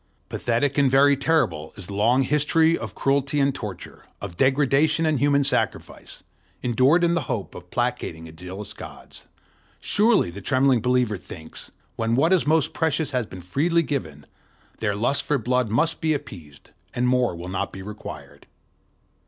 Pathetic and very terrible is the long history of cruelty and torture, of degradation and human sacrifice, endured in the hope of placating the jealous gods: surely, the trembling believer thinks, when what is most precious has been freely given, their lust for blood must be appeased, and more will not be required.